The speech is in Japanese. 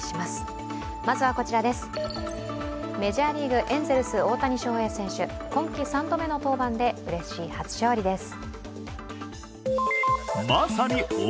メジャーリーグ、エンゼルス・大谷翔平選手、今季３度目の登板でうれしい初勝利です。